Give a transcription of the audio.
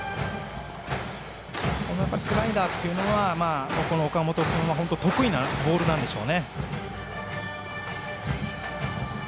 このスライダーというのは岡本君の本当、得意なボールなんでしょう。